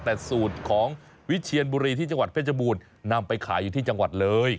แต่สูตรของวิเชียนบุรีที่จังหวัดเพชรบูรณ์นำไปขายอยู่ที่จังหวัดเลย